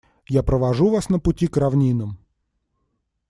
Я провожу вас на пути к равнинам.